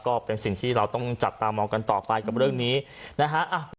ก็เป็นสิ่งที่เราต้องจับตามองกันต่อไปกับเรื่องนี้นะฮะ